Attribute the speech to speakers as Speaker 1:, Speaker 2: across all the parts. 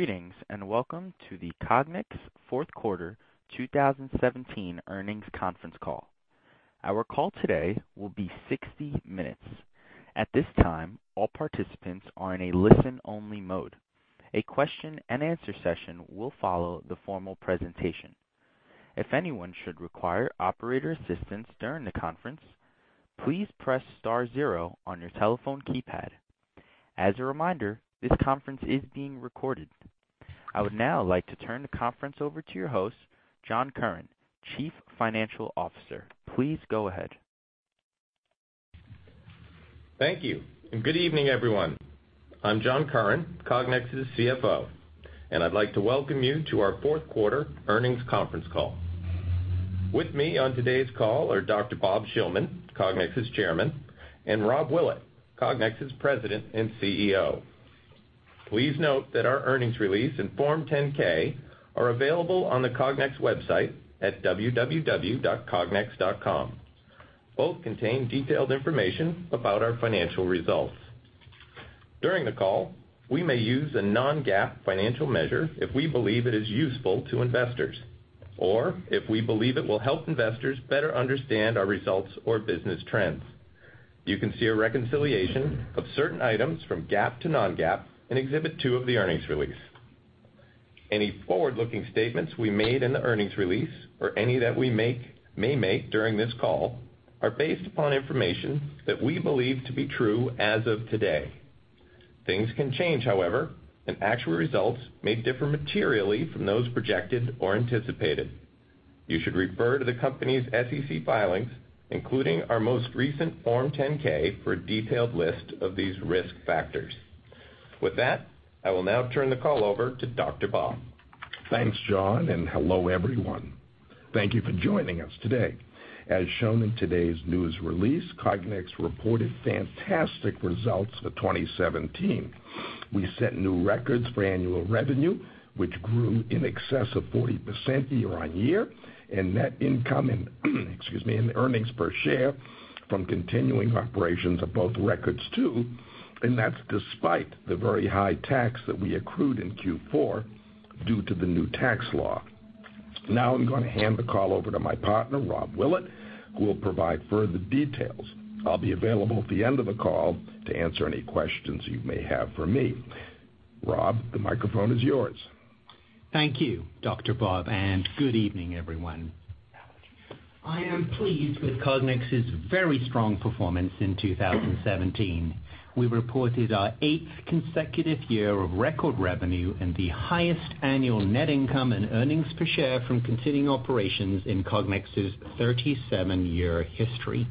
Speaker 1: Greetings. Welcome to the Cognex fourth quarter 2017 earnings conference call. Our call today will be 60 minutes. At this time, all participants are in a listen-only mode. A question and answer session will follow the formal presentation. If anyone should require operator assistance during the conference, please press star zero on your telephone keypad. As a reminder, this conference is being recorded. I would now like to turn the conference over to your host, John Curran, Chief Financial Officer. Please go ahead.
Speaker 2: Thank you. Good evening, everyone. I'm John Curran, Cognex's CFO. I'd like to welcome you to our fourth quarter earnings conference call. With me on today's call are Dr. Bob Shillman, Cognex's Chairman, and Rob Willett, Cognex's President and CEO. Please note that our earnings release and Form 10-K are available on the Cognex website at www.cognex.com. Both contain detailed information about our financial results. During the call, we may use a non-GAAP financial measure if we believe it is useful to investors or if we believe it will help investors better understand our results or business trends. You can see a reconciliation of certain items from GAAP to non-GAAP in Exhibit 2 of the earnings release. Any forward-looking statements we made in the earnings release or any that we may make during this call are based upon information that we believe to be true as of today. Things can change, however. Actual results may differ materially from those projected or anticipated. You should refer to the company's SEC filings, including our most recent Form 10-K for a detailed list of these risk factors. With that, I will now turn the call over to Dr. Bob.
Speaker 3: Thanks, John. Hello, everyone. Thank you for joining us today. As shown in today's news release, Cognex reported fantastic results for 2017. We set new records for annual revenue, which grew in excess of 40% year-over-year, net income, excuse me, and earnings per share from continuing operations above records, too. That's despite the very high tax that we accrued in Q4 due to the new tax law. Now I'm going to hand the call over to my partner, Rob Willett, who will provide further details. I'll be available at the end of the call to answer any questions you may have for me. Rob, the microphone is yours.
Speaker 4: Thank you, Dr. Bob, and good evening, everyone. I am pleased with Cognex's very strong performance in 2017. We reported our eighth consecutive year of record revenue and the highest annual net income and earnings per share from continuing operations in Cognex's 37-year history.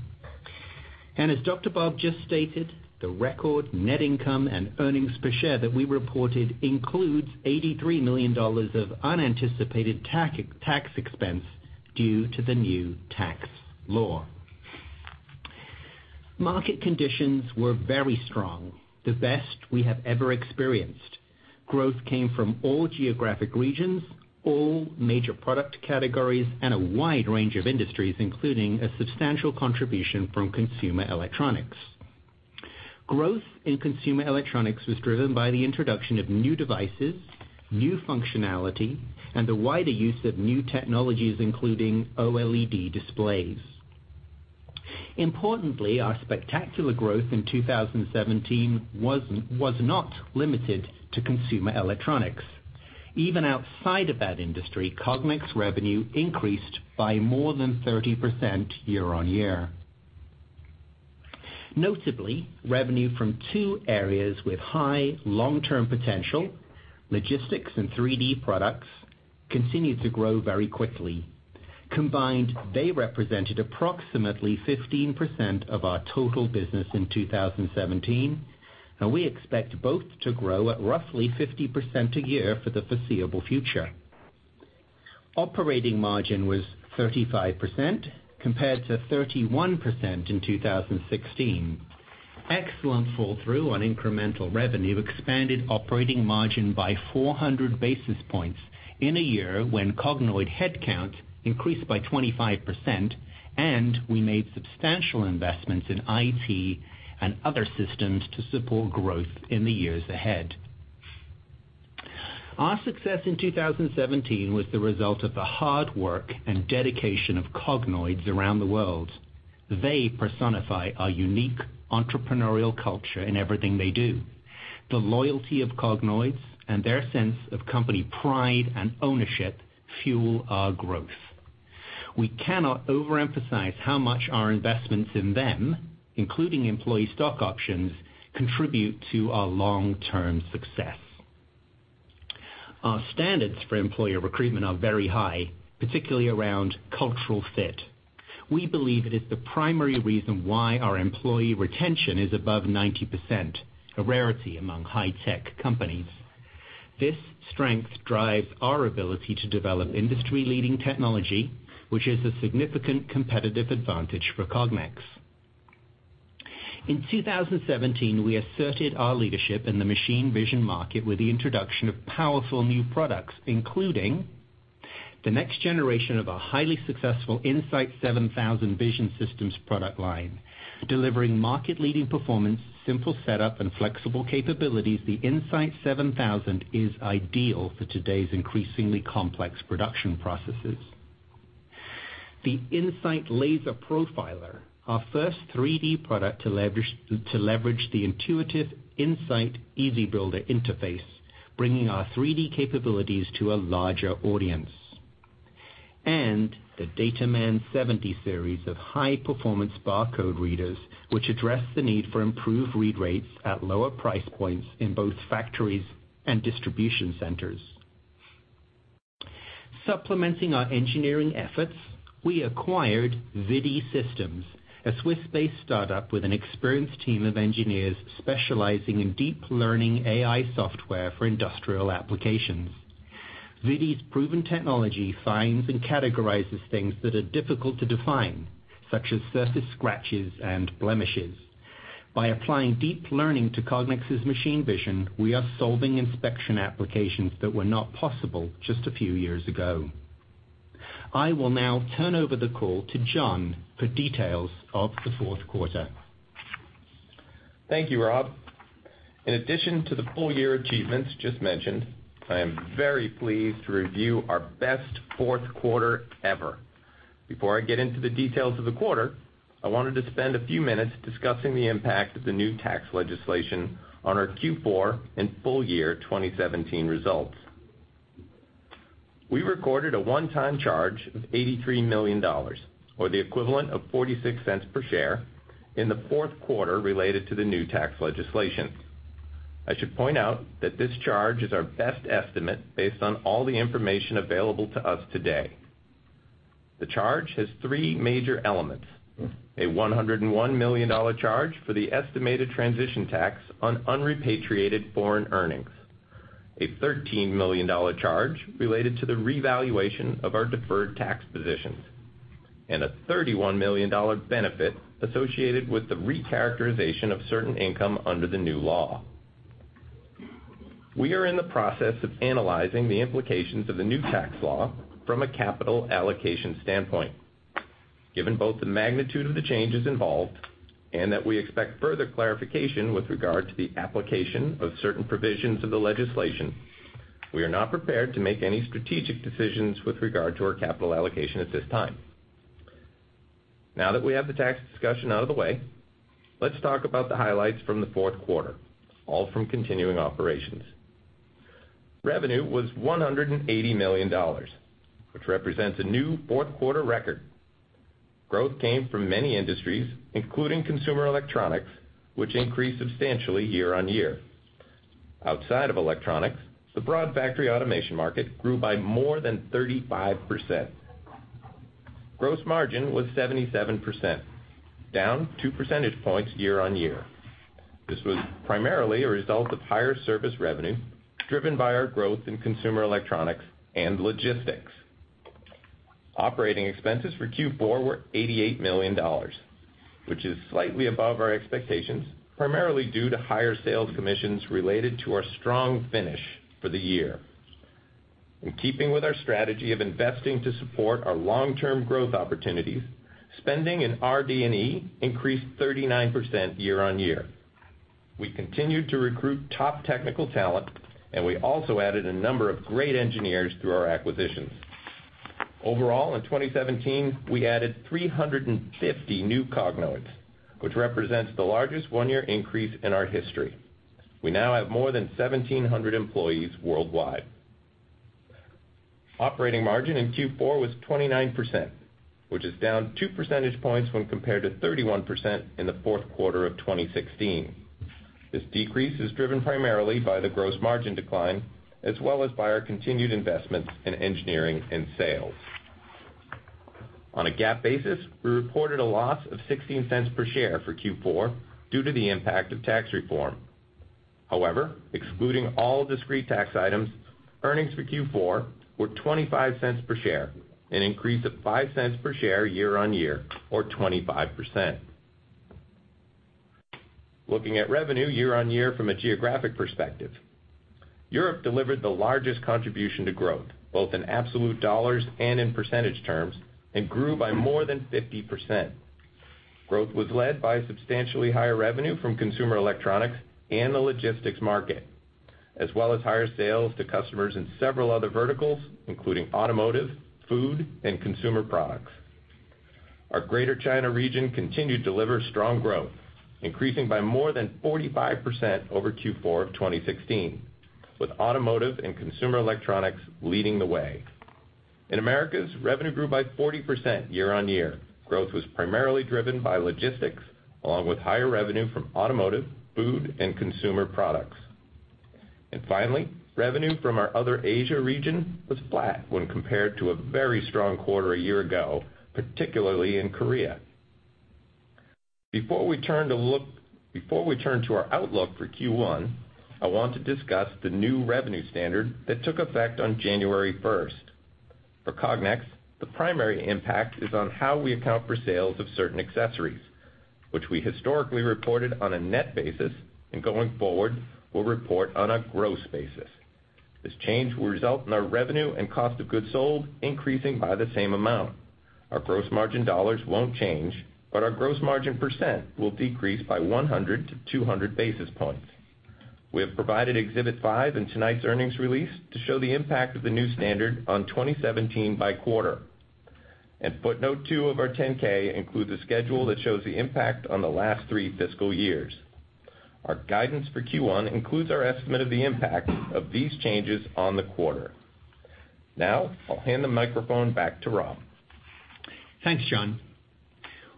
Speaker 4: As Dr. Bob just stated, the record net income and earnings per share that we reported includes $83 million of unanticipated tax expense due to the new tax law. Market conditions were very strong, the best we have ever experienced. Growth came from all geographic regions, all major product categories, and a wide range of industries, including a substantial contribution from consumer electronics. Growth in consumer electronics was driven by the introduction of new devices, new functionality, and the wider use of new technologies, including OLED displays. Importantly, our spectacular growth in 2017 was not limited to consumer electronics. Even outside of that industry, Cognex revenue increased by more than 30% year-over-year. Notably, revenue from two areas with high long-term potential, logistics and 3D products, continued to grow very quickly. Combined, they represented approximately 15% of our total business in 2017, and we expect both to grow at roughly 50% a year for the foreseeable future. Operating margin was 35%, compared to 31% in 2016. Excellent fall-through on incremental revenue expanded operating margin by 400 basis points in a year when Cognoid headcount increased by 25%, and we made substantial investments in IT and other systems to support growth in the years ahead. Our success in 2017 was the result of the hard work and dedication of Cognoids around the world. They personify our unique entrepreneurial culture in everything they do. The loyalty of Cognoids and their sense of company pride and ownership fuel our growth. We cannot overemphasize how much our investments in them, including employee stock options, contribute to our long-term success. Our standards for employer recruitment are very high, particularly around cultural fit. We believe it is the primary reason why our employee retention is above 90%, a rarity among high-tech companies. This strength drives our ability to develop industry-leading technology, which is a significant competitive advantage for Cognex. In 2017, we asserted our leadership in the machine vision market with the introduction of powerful new products, including The next generation of a highly successful In-Sight 7000 vision systems product line. Delivering market-leading performance, simple setup, and flexible capabilities, the In-Sight 7000 is ideal for today's increasingly complex production processes. The In-Sight Laser Profiler, our first 3D product to leverage the intuitive In-Sight EasyBuilder interface, bringing our 3D capabilities to a larger audience. The DataMan 370 series of high-performance barcode readers, which address the need for improved read rates at lower price points in both factories and distribution centers. Supplementing our engineering efforts, we acquired ViDi Systems, a Swiss-based startup with an experienced team of engineers specializing in deep learning AI software for industrial applications. ViDi's proven technology finds and categorizes things that are difficult to define, such as surface scratches and blemishes. By applying deep learning to Cognex's machine vision, we are solving inspection applications that were not possible just a few years ago. I will now turn over the call to John for details of the fourth quarter.
Speaker 2: Thank you, Rob. In addition to the full-year achievements just mentioned, I am very pleased to review our best fourth quarter ever. Before I get into the details of the quarter, I wanted to spend a few minutes discussing the impact of the new tax legislation on our Q4 and full year 2017 results. We recorded a one-time charge of $83 million, or the equivalent of $0.46 per share in the fourth quarter, related to the new tax legislation. I should point out that this charge is our best estimate based on all the information available to us today. The charge has three major elements: a $101 million charge for the estimated transition tax on repatriated foreign earnings, a $13 million charge related to the revaluation of our deferred tax positions, and a $31 million benefit associated with the recharacterization of certain income under the new law. We are in the process of analyzing the implications of the new tax law from a capital allocation standpoint. Given both the magnitude of the changes involved and that we expect further clarification with regard to the application of certain provisions of the legislation, we are not prepared to make any strategic decisions with regard to our capital allocation at this time. Now that we have the tax discussion out of the way, let's talk about the highlights from the fourth quarter, all from continuing operations. Revenue was $180 million, which represents a new fourth-quarter record. Growth came from many industries, including consumer electronics, which increased substantially year-on-year. Outside of electronics, the broad factory automation market grew by more than 35%. Gross margin was 77%, down two percentage points year-on-year. This was primarily a result of higher service revenue driven by our growth in consumer electronics and logistics. Operating expenses for Q4 were $88 million, which is slightly above our expectations, primarily due to higher sales commissions related to our strong finish for the year. In keeping with our strategy of investing to support our long-term growth opportunities, spending in RD&E increased 39% year-on-year. We continued to recruit top technical talent, and we also added a number of great engineers through our acquisitions. Overall, in 2017, we added 350 new Cognoids, which represents the largest one-year increase in our history. We now have more than 1,700 employees worldwide. Operating margin in Q4 was 29%, which is down two percentage points when compared to 31% in the fourth quarter of 2016. This decrease is driven primarily by the gross margin decline, as well as by our continued investments in engineering and sales. On a GAAP basis, we reported a loss of $0.16 per share for Q4 due to the impact of tax reform. However, excluding all discrete tax items, earnings for Q4 were $0.25 per share, an increase of $0.05 per share year-on-year, or 25%. Looking at revenue year-on-year from a geographic perspective, Europe delivered the largest contribution to growth, both in absolute dollars and in percentage terms, and grew by more than 50%. Growth was led by substantially higher revenue from consumer electronics and the logistics market, as well as higher sales to customers in several other verticals, including automotive, food, and consumer products. Our Greater China region continued to deliver strong growth, increasing by more than 45% over Q4 of 2016, with automotive and consumer electronics leading the way. In Americas, revenue grew by 40% year-on-year. Growth was primarily driven by logistics, along with higher revenue from automotive, food, and consumer products. Finally, revenue from our other Asia region was flat when compared to a very strong quarter a year ago, particularly in Korea. Before we turn to our outlook for Q1, I want to discuss the new revenue standard that took effect on January 1st. For Cognex, the primary impact is on how we account for sales of certain accessories. Which we historically reported on a net basis and going forward, we'll report on a gross basis. This change will result in our revenue and cost of goods sold increasing by the same amount. Our gross margin dollars won't change, but our gross margin % will decrease by 100 to 200 basis points. We have provided Exhibit 5 in tonight's earnings release to show the impact of the new standard on 2017 by quarter. Footnote two of our 10-K includes a schedule that shows the impact on the last three fiscal years. Our guidance for Q1 includes our estimate of the impact of these changes on the quarter. Now, I'll hand the microphone back to Rob.
Speaker 4: Thanks, John.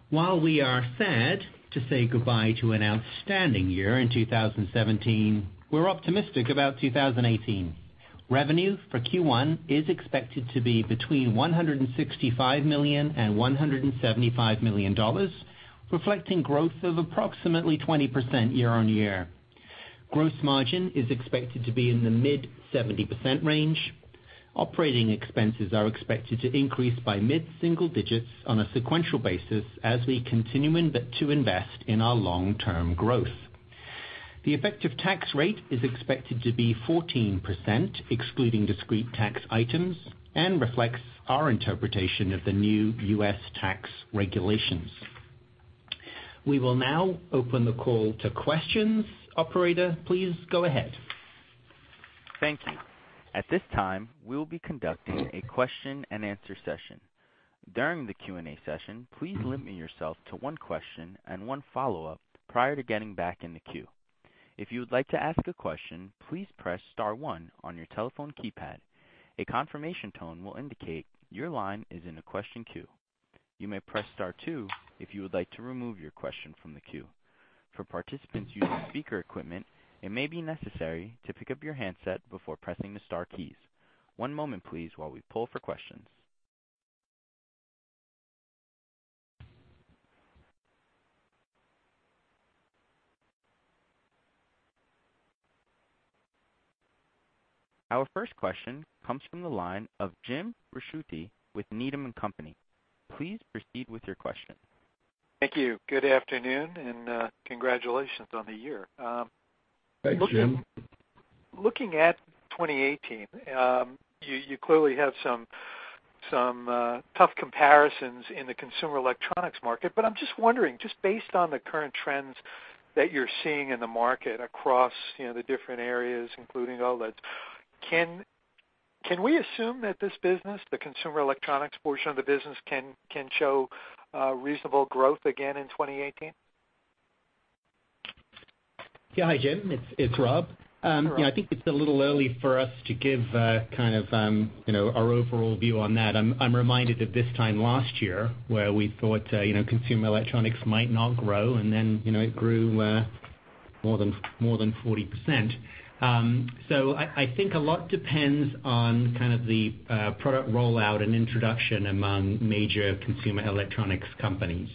Speaker 4: While we are sad to say goodbye to an outstanding year in 2017, we're optimistic about 2018. Revenue for Q1 is expected to be between $165 million and $175 million, reflecting growth of approximately 20% year-on-year. Gross margin is expected to be in the mid 70% range. Operating expenses are expected to increase by mid-single digits on a sequential basis as we continue to invest in our long-term growth. The effective tax rate is expected to be 14%, excluding discrete tax items, and reflects our interpretation of the new U.S. tax regulations. We will now open the call to questions. Operator, please go ahead.
Speaker 1: Thank you. At this time, we will be conducting a question and answer session. During the Q&A session, please limit yourself to one question and one follow-up prior to getting back in the queue. If you would like to ask a question, please press star one on your telephone keypad. A confirmation tone will indicate your line is in a question queue. You may press star two if you would like to remove your question from the queue. For participants using speaker equipment, it may be necessary to pick up your handset before pressing the star keys. One moment please while we pull for questions. Our first question comes from the line of Jim Bruschi with Needham & Company. Please proceed with your question.
Speaker 5: Thank you. Good afternoon, and congratulations on the year.
Speaker 4: Thanks, Jim.
Speaker 5: Looking at 2018, you clearly have some tough comparisons in the consumer electronics market, but I'm just wondering, just based on the current trends that you're seeing in the market across the different areas, including OLEDs, can we assume that this business, the consumer electronics portion of the business, can show reasonable growth again in 2018?
Speaker 4: Yeah. Hi, Jim, it's Rob.
Speaker 5: Rob.
Speaker 4: I think it's a little early for us to give our overall view on that. I'm reminded of this time last year where we thought consumer electronics might not grow, and then it grew more than 40%. I think a lot depends on the product rollout and introduction among major consumer electronics companies.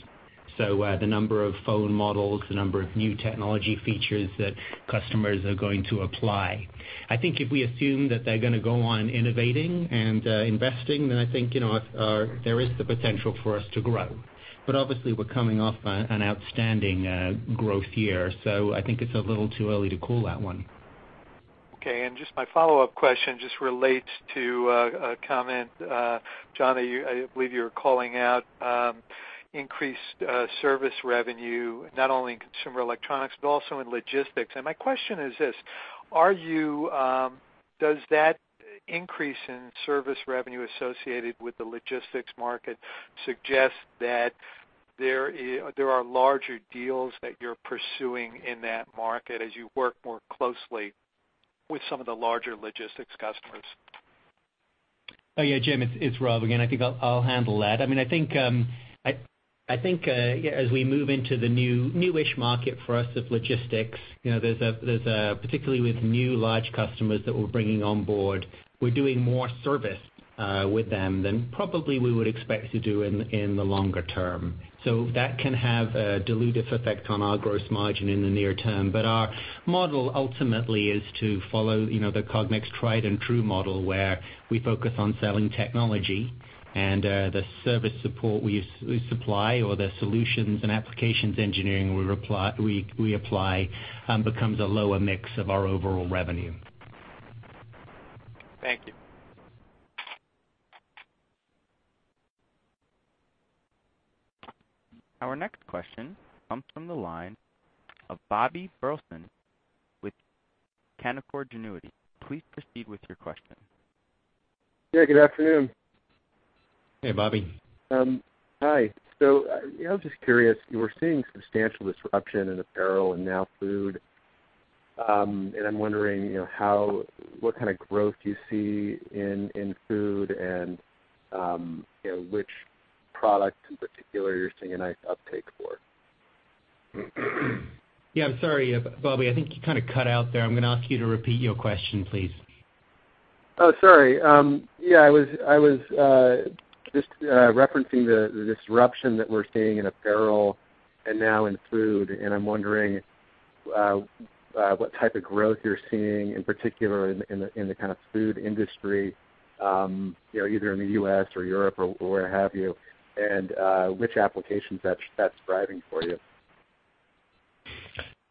Speaker 4: The number of phone models, the number of new technology features that customers are going to apply. I think if we assume that they're going to go on innovating and investing, then I think there is the potential for us to grow. Obviously, we're coming off an outstanding growth year. I think it's a little too early to call that one.
Speaker 5: Okay, just my follow-up question just relates to a comment, John, I believe you were calling out increased service revenue, not only in consumer electronics but also in logistics. My question is this, does that increase in service revenue associated with the logistics market suggest that there are larger deals that you're pursuing in that market as you work more closely with some of the larger logistics customers?
Speaker 4: Oh, yeah, Jim, it's Rob again. I think I'll handle that. I think as we move into the newish market for us of logistics, particularly with new large customers that we're bringing on board, we're doing more service with them than probably we would expect to do in the longer term. That can have a dilutive effect on our gross margin in the near term. Our model ultimately is to follow the Cognex tried and true model where we focus on selling technology and the service support we supply or the solutions and applications engineering we apply becomes a lower mix of our overall revenue.
Speaker 5: Thank you.
Speaker 1: Our next question comes from the line of Bobby Burleson with Canaccord Genuity. Please proceed with your question.
Speaker 6: Yeah, good afternoon.
Speaker 4: Hey, Bobby.
Speaker 6: Hi. I was just curious, you were seeing substantial disruption in apparel and now food, and I'm wondering what kind of growth you see in food and which product in particular you're seeing a nice uptake for.
Speaker 4: I'm sorry, Bobby, I think you kind of cut out there. I'm going to ask you to repeat your question, please.
Speaker 6: Oh, sorry. I was just referencing the disruption that we're seeing in apparel and now in food, and I'm wondering what type of growth you're seeing, in particular in the kind of food industry, either in the U.S. or Europe or where have you, and which applications that's thriving for you?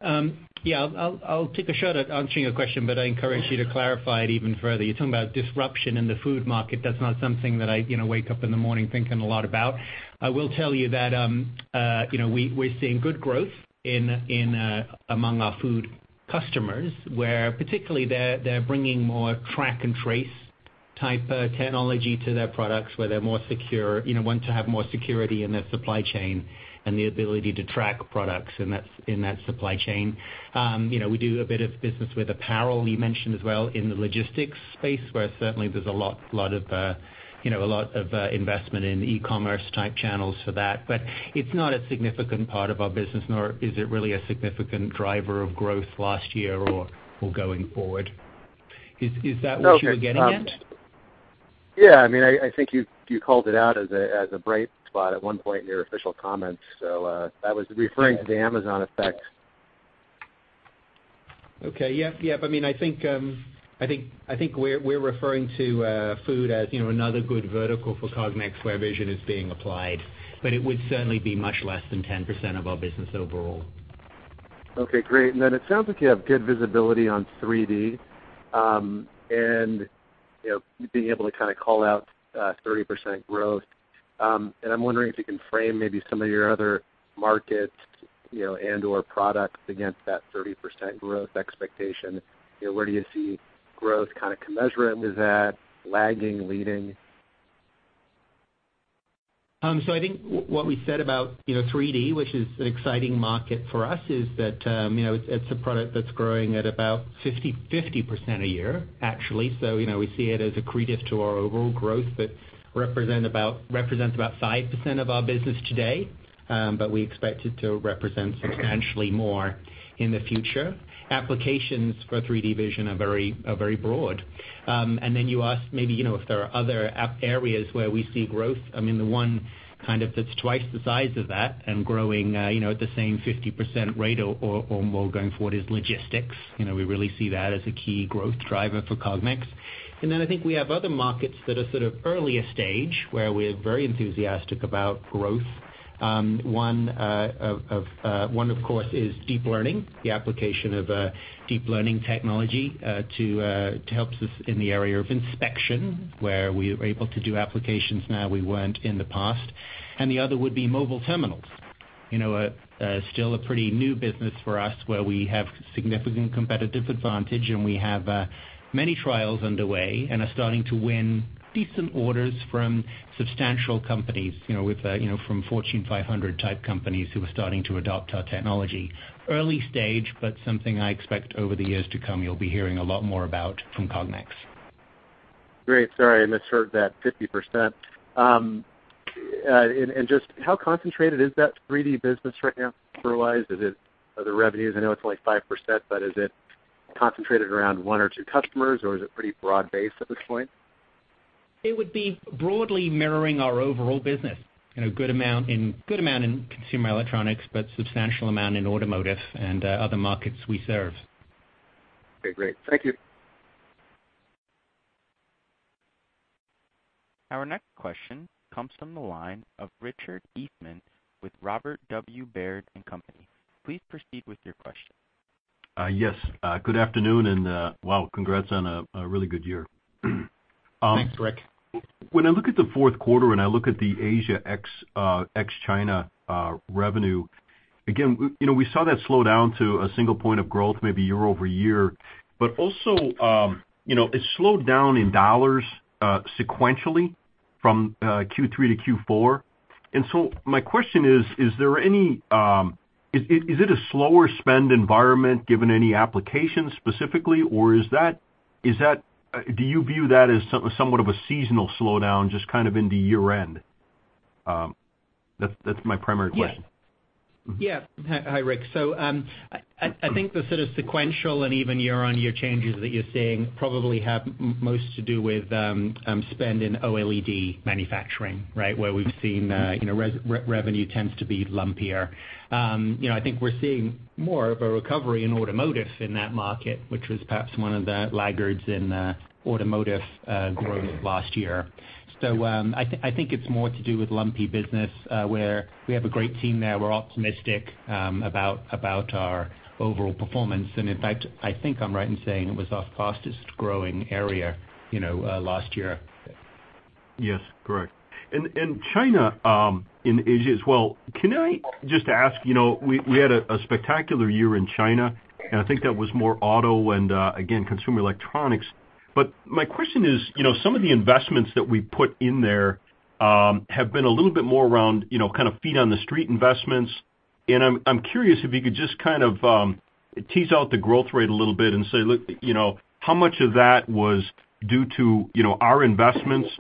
Speaker 4: I'll take a shot at answering your question, I encourage you to clarify it even further. You're talking about disruption in the food market. That's not something that I wake up in the morning thinking a lot about. I will tell you that we're seeing good growth among our food customers, where particularly they're bringing more track and trace type technology to their products, where they want to have more security in their supply chain and the ability to track products in that supply chain. We do a bit of business with apparel, you mentioned as well, in the logistics space, where certainly there's a lot of investment in e-commerce type channels for that. It's not a significant part of our business, nor is it really a significant driver of growth last year or going forward. Is that what you were getting at?
Speaker 6: I think you called it out as a bright spot at one point in your official comments. I was referring to the Amazon effect.
Speaker 4: Okay. Yep. I think we're referring to food as another good vertical for Cognex where vision is being applied. It would certainly be much less than 10% of our business overall.
Speaker 6: Okay, great. It sounds like you have good visibility on 3D, and being able to kind of call out 30% growth. I'm wondering if you can frame maybe some of your other markets and/or products against that 30% growth expectation. Where do you see growth kind of commensurate with that, lagging, leading?
Speaker 4: I think what we said about 3D, which is an exciting market for us, is that it's a product that's growing at about 50% a year, actually. We see it as accretive to our overall growth, but represents about 5% of our business today. We expect it to represent substantially more in the future. Applications for 3D vision are very broad. You asked maybe if there are other areas where we see growth. The one kind of that's twice the size of that and growing at the same 50% rate or more going forward is logistics. We really see that as a key growth driver for Cognex. I think we have other markets that are sort of earlier stage, where we're very enthusiastic about growth. One, of course, is deep learning, the application of deep learning technology, to help us in the area of inspection, where we are able to do applications now we weren't in the past. The other would be mobile terminals. Still a pretty new business for us, where we have significant competitive advantage, and we have many trials underway and are starting to win decent orders from substantial companies, from Fortune 500 type companies who are starting to adopt our technology. Early stage, but something I expect over the years to come you'll be hearing a lot more about from Cognex.
Speaker 6: Great. Sorry, I misheard that 50%. Just how concentrated is that 3D business right now, overall? I know it's only 5%, but is it concentrated around one or two customers, or is it pretty broad-based at this point?
Speaker 4: It would be broadly mirroring our overall business. A good amount in consumer electronics, but substantial amount in automotive and other markets we serve.
Speaker 6: Okay, great. Thank you.
Speaker 1: Our next question comes from the line of Richard Eastman with Robert W. Baird & Co.. Please proceed with your question.
Speaker 7: Good afternoon, wow, congrats on a really good year.
Speaker 4: Thanks, Rick.
Speaker 7: When I look at the fourth quarter and I look at the Asia ex-China revenue, again, we saw that slow down to a single point of growth maybe year-over-year. Also, it slowed down in $ sequentially from Q3 to Q4. My question is it a slower spend environment given any application specifically, or do you view that as somewhat of a seasonal slowdown just kind of into year-end? That's my primary question.
Speaker 4: Yeah. Hi, Rick. I think the sort of sequential and even year-on-year changes that you're seeing probably have most to do with spend in OLED manufacturing, where we've seen revenue tends to be lumpier. I think we're seeing more of a recovery in automotive in that market, which was perhaps one of the laggards in automotive growth last year. I think it's more to do with lumpy business, where we have a great team there. We're optimistic about our overall performance. In fact, I think I'm right in saying it was our fastest-growing area last year.
Speaker 7: Yes, correct. China, in Asia as well, can I just ask, we had a spectacular year in China, I think that was more auto and, again, consumer electronics. My question is, some of the investments that we put in there have been a little bit more around kind of feet-on-the-street investments. I am curious if you could just kind of tease out the growth rate a little bit and say how much of that was due to our investments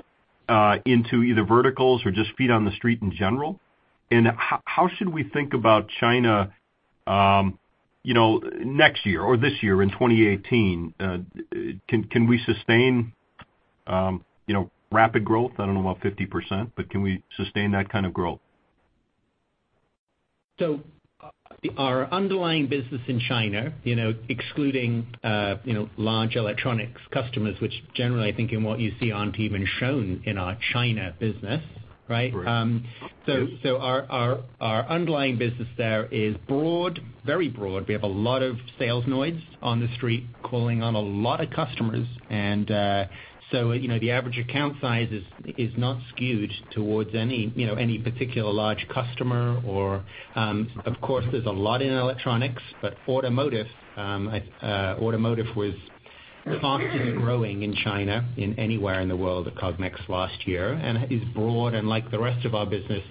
Speaker 7: into either verticals or just feet on the street in general. How should we think about China next year or this year in 2018? Can we sustain rapid growth, I don't know about 50%, but can we sustain that kind of growth?
Speaker 4: Our underlying business in China, excluding large electronics customers, which generally I think and what you see aren't even shown in our China business.
Speaker 7: Right.
Speaker 4: Our underlying business there is broad, very broad. We have a lot of Salesnoids on the street calling on a lot of customers. The average account size is not skewed towards any particular large customer or of course, there's a lot in electronics, but automotive was the fastest growing in China in anywhere in the world of Cognex last year, and is broad and like the rest of our business,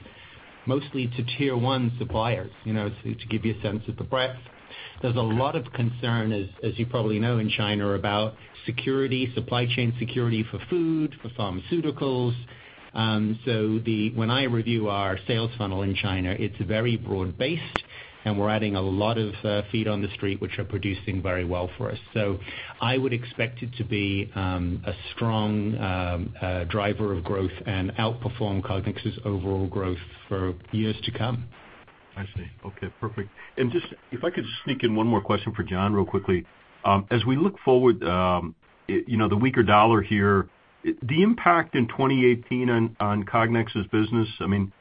Speaker 4: mostly to tier 1 suppliers, to give you a sense of the breadth. There's a lot of concern, as you probably know, in China about security, supply chain security for food, for pharmaceuticals. When I review our sales funnel in China, it's very broad-based, and we're adding a lot of feet on the street, which are producing very well for us. I would expect it to be a strong driver of growth and outperform Cognex's overall growth for years to come.
Speaker 7: I see. Okay, perfect. If I could just sneak in one more question for John real quickly. As we look forward, the weaker dollar here, the impact in 2018 on Cognex's business, I mean,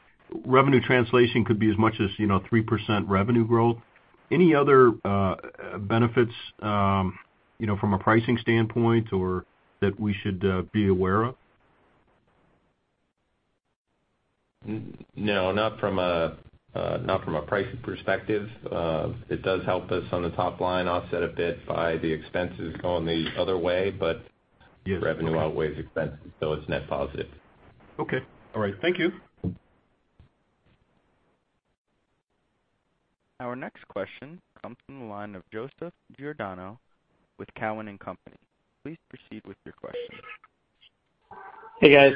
Speaker 7: revenue translation could be as much as 3% revenue growth. Any other benefits from a pricing standpoint or that we should be aware of?
Speaker 2: No, not from a pricing perspective. It does help us on the top line offset a bit by the expenses going the other way.
Speaker 7: Yes
Speaker 2: revenue outweighs expenses, so it's net positive.
Speaker 7: Okay. All right. Thank you.
Speaker 1: Our next question comes from the line of Joseph Giordano with Cowen and Company. Please proceed with your question.
Speaker 8: Hey, guys.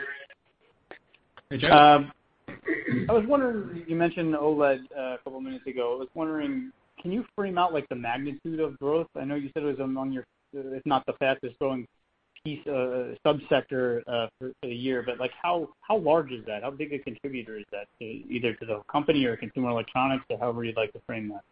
Speaker 4: Hey, Joe.
Speaker 8: I was wondering, you mentioned OLED a couple of minutes ago. I was wondering, can you frame out the magnitude of growth? I know you said it's not the fastest growing sub-sector for the year, but how large is that? How big a contributor is that, either to the company or consumer electronics or however you'd like to frame that?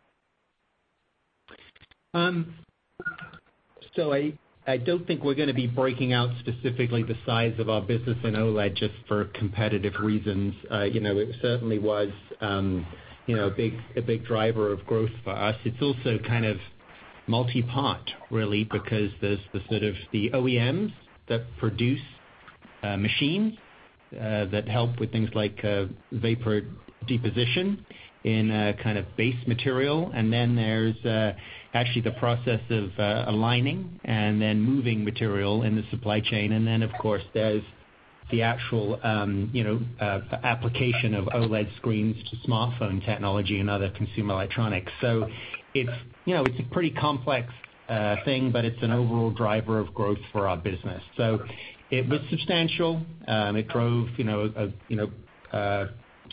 Speaker 4: I don't think we're going to be breaking out specifically the size of our business in OLED just for competitive reasons. It certainly was a big driver of growth for us. It's also kind of multi-part really because there's the sort of the OEMs that produce machines that help with things like vapor deposition in a kind of base material. There's actually the process of aligning and then moving material in the supply chain. Of course, there's the actual application of OLED screens to smartphone technology and other consumer electronics. It's a pretty complex thing, but it's an overall driver of growth for our business. It was substantial. It drove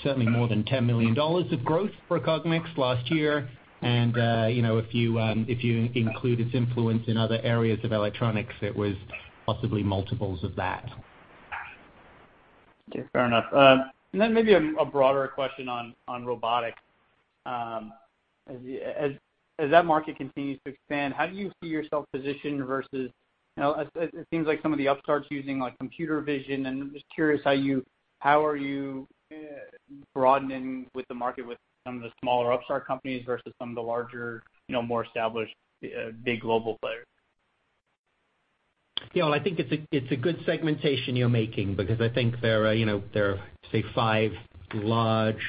Speaker 4: certainly more than $10 million of growth for Cognex last year. If you include its influence in other areas of electronics, it was possibly multiples of that.
Speaker 8: Okay. Fair enough. Maybe a broader question on robotics. As that market continues to expand, how do you see yourself positioned? It seems like some of the upstarts using computer vision and I'm just curious how are you broadening with the market with some of the smaller upstart companies versus some of the larger, more established, big global players?
Speaker 4: I think it's a good segmentation you're making because I think there are, say, five large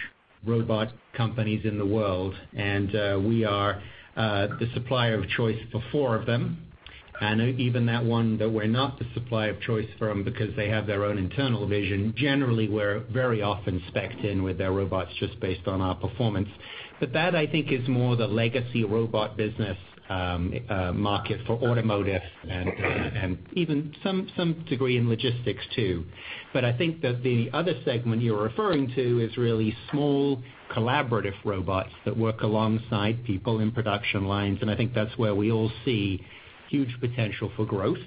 Speaker 4: robot companies in the world, and we are the supplier of choice for four of them. Even that one that we're not the supplier of choice for them because they have their own internal vision, generally we're very often specced in with their robots just based on our performance. That, I think, is more the legacy robot business market for automotive and even some degree in logistics too. I think that the other segment you're referring to is really small collaborative robots that work alongside people in production lines, and I think that's where we all see huge potential for growth.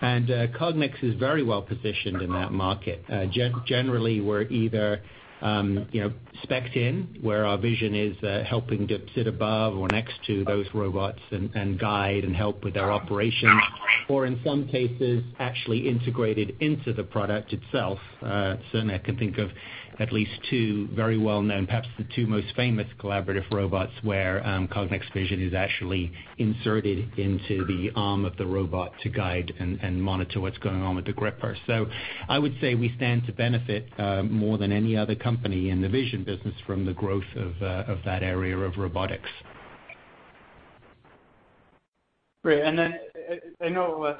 Speaker 4: Cognex is very well positioned in that market. Generally, we're either specced in where our vision is helping to sit above or next to those robots and guide and help with their operations or in some cases, actually integrated into the product itself. I can think of at least two very well-known, perhaps the two most famous collaborative robots where Cognex vision is actually inserted into the arm of the robot to guide and monitor what's going on with the gripper. I would say we stand to benefit more than any other company in the vision business from the growth of that area of robotics.
Speaker 8: Great. I know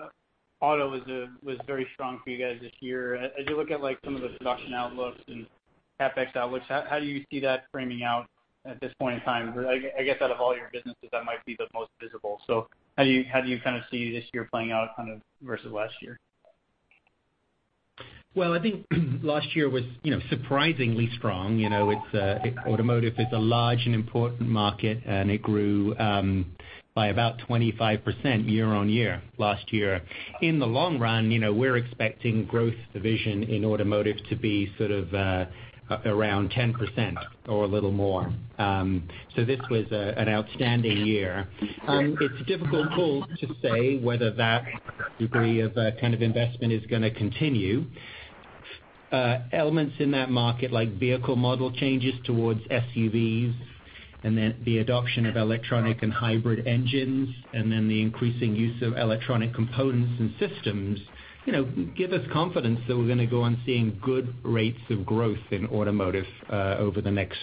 Speaker 8: auto was very strong for you guys this year. As you look at some of the production outlooks and CapEx outlooks, how do you see that framing out at this point in time? I guess out of all your businesses, that might be the most visible. How do you kind of see this year playing out kind of versus last year?
Speaker 4: Well, I think last year was surprisingly strong. Automotive is a large and important market, and it grew by about 25% year on year, last year. In the long run, we're expecting growth of vision in automotive to be sort of around 10% or a little more. This was an outstanding year. It's difficult to say whether that degree of kind of investment is going to continue. Elements in that market, like vehicle model changes towards SUVs, and then the adoption of electronic and hybrid engines, and then the increasing use of electronic components and systems give us confidence that we're going to go on seeing good rates of growth in automotive over the next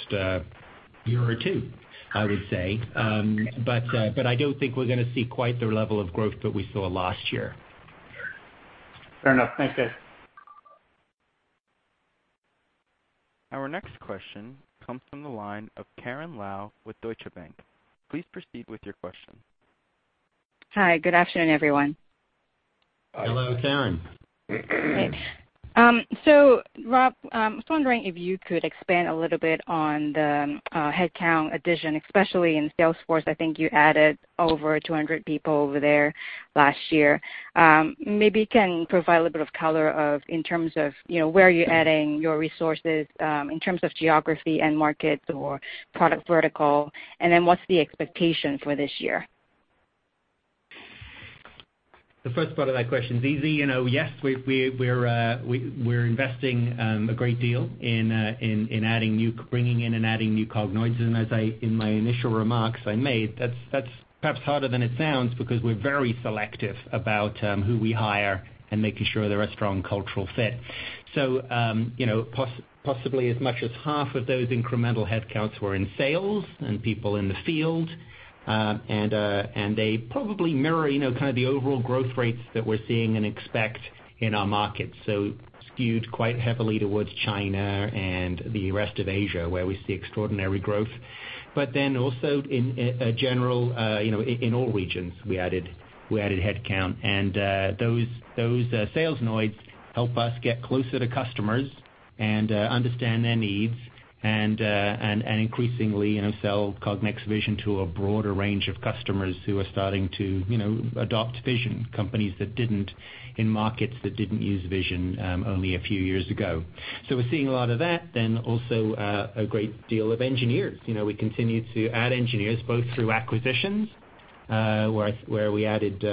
Speaker 4: year or two, I would say. I don't think we're going to see quite the level of growth that we saw last year.
Speaker 8: Fair enough. Thanks, guys.
Speaker 1: Our next question comes from the line of Karen Lau with Deutsche Bank. Please proceed with your question.
Speaker 9: Hi, good afternoon, everyone.
Speaker 4: Hello, Karen.
Speaker 9: Rob, I was wondering if you could expand a little bit on the headcount addition, especially in sales force. I think you added over 200 people over there last year. Maybe you can provide a little bit of color of, in terms of where you're adding your resources, in terms of geography and markets or product vertical. What's the expectation for this year?
Speaker 4: The first part of that question is easy. Yes, we're investing a great deal in bringing in and adding new Cognoids. As in my initial remarks I made, that's perhaps harder than it sounds because we're very selective about who we hire and making sure they're a strong cultural fit. Possibly as much as half of those incremental headcounts were in sales and people in the field. They probably mirror kind of the overall growth rates that we're seeing and expect in our markets. Skewed quite heavily towards China and the rest of Asia, where we see extraordinary growth. Also in all regions, we added headcount. Those Salesnoids help us get closer to customers and understand their needs and increasingly sell Cognex vision to a broader range of customers who are starting to adopt vision, companies that didn't in markets that didn't use vision only a few years ago. We're seeing a lot of that. Also, a great deal of engineers. We continue to add engineers both through acquisitions, where we added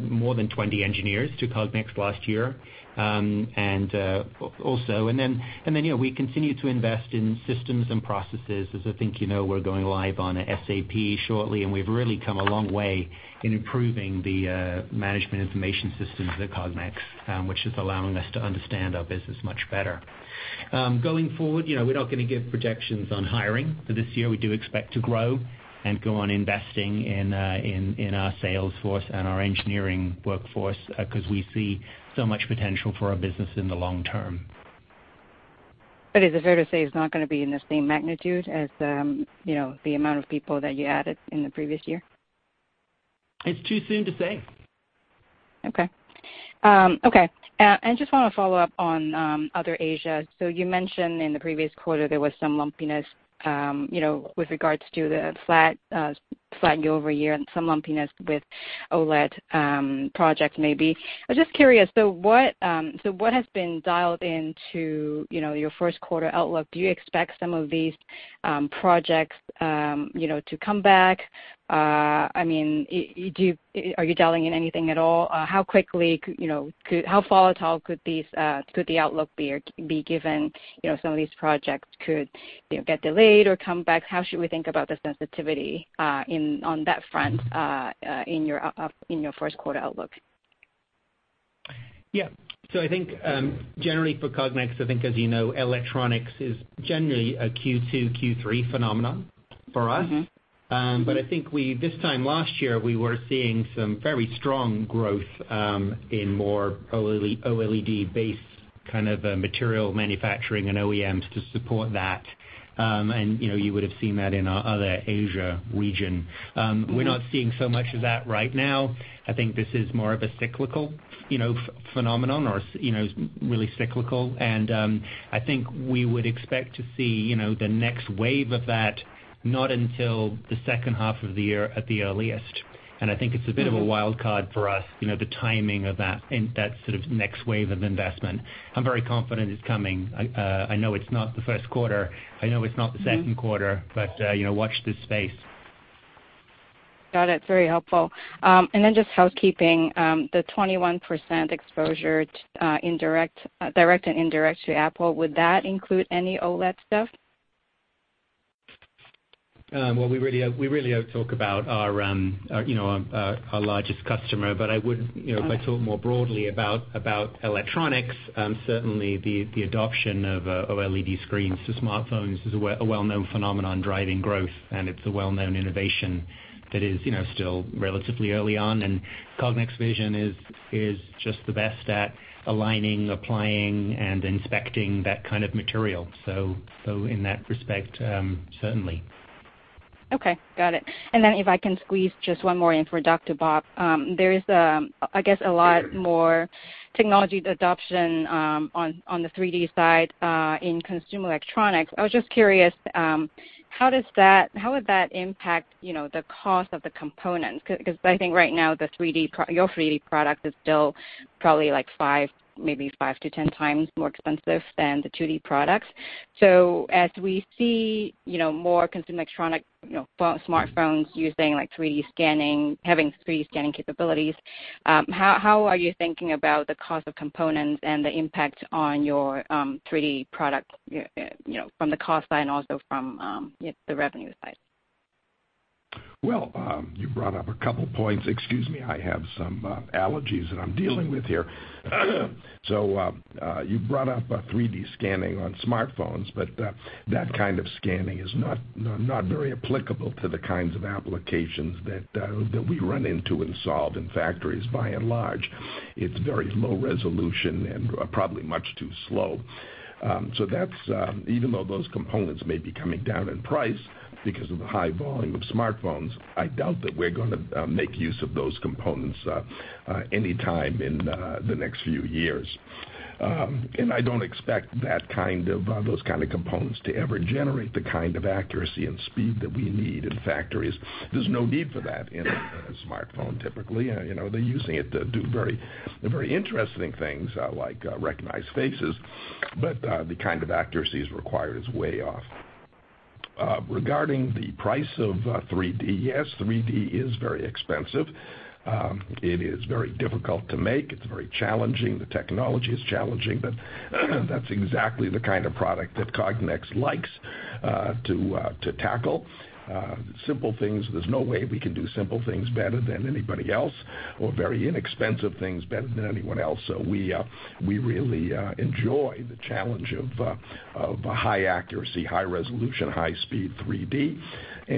Speaker 4: more than 20 engineers to Cognex last year. We continue to invest in systems and processes. As I think you know, we're going live on SAP shortly, and we've really come a long way in improving the management information systems at Cognex, which is allowing us to understand our business much better. Going forward, we're not going to give projections on hiring for this year. We do expect to grow and go on investing in our sales force and our engineering workforce, because we see so much potential for our business in the long term.
Speaker 9: Is it fair to say it's not going to be in the same magnitude as the amount of people that you added in the previous year?
Speaker 4: It's too soon to say.
Speaker 9: Okay. I just want to follow up on other Asia. You mentioned in the previous quarter there was some lumpiness, with regards to the flat year-over-year and some lumpiness with OLED projects maybe. I was just curious, what has been dialed into your first quarter outlook? Do you expect some of these projects to come back? Are you dialing in anything at all? How volatile could the outlook be given some of these projects could get delayed or come back? How should we think about the sensitivity on that front in your first quarter outlook?
Speaker 4: Yeah. I think, generally for Cognex, I think as you know, electronics is generally a Q2, Q3 phenomenon for us. I think this time last year, we were seeing some very strong growth in more OLED-based kind of material manufacturing and OEMs to support that. You would have seen that in our other Asia region. We're not seeing so much of that right now. I think this is more of a cyclical phenomenon or is really cyclical. I think we would expect to see the next wave of that, not until the second half of the year at the earliest. I think it's a bit of a wild card for us, the timing of that sort of next wave of investment. I'm very confident it's coming. I know it's not the first quarter. I know it's not the second quarter, but watch this space.
Speaker 9: Got it. Very helpful. Then just housekeeping, the 21% exposure direct and indirect to Apple, would that include any OLED stuff?
Speaker 4: Well, we really don't talk about our largest customer, but if I talk more broadly about electronics, certainly the adoption of OLED screens to smartphones is a well-known phenomenon driving growth, it's a well-known innovation that is still relatively early on. Cognex vision is just the best at aligning, applying, and inspecting that kind of material. In that respect, certainly.
Speaker 9: Okay, got it. If I can squeeze just one more in for Dr. Bob. There is, I guess, a lot more technology adoption on the 3D side in consumer electronics. I was just curious, how would that impact the cost of the components? Because I think right now, your 3D product is still probably maybe 5 to 10 times more expensive than the 2D products. As we see more consumer electronic smartphones using 3D scanning, having 3D scanning capabilities, how are you thinking about the cost of components and the impact on your 3D product from the cost side and also from the revenue side?
Speaker 3: Well, you brought up a couple points. Excuse me, I have some allergies that I'm dealing with here. You brought up 3D scanning on smartphones, but that kind of scanning is not very applicable to the kinds of applications that we run into and solve in factories. By and large, it's very low resolution and probably much too slow. Even though those components may be coming down in price because of the high volume of smartphones, I doubt that we're going to make use of those components anytime in the next few years. I don't expect those kind of components to ever generate the kind of accuracy and speed that we need in factories. There's no need for that in a smartphone, typically. They're using it to do very interesting things, like recognize faces, but the kind of accuracy it requires is way off. Regarding the price of 3D, yes, 3D is very expensive. It is very difficult to make. It's very challenging. The technology is challenging, but that's exactly the kind of product that Cognex likes to tackle. Simple things, there's no way we can do simple things better than anybody else, or very inexpensive things better than anyone else. We really enjoy the challenge of a high accuracy, high resolution, high speed 3D.